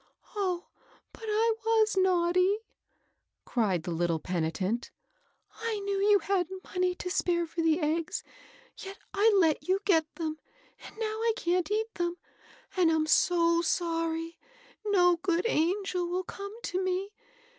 " Oh, but I was naughty," cried the little pen itent. " I knew you hadn't money to spare for the eggs, yet I let you get them ; and now I can't eat them, and I'm so sorry ! No good angel will come to me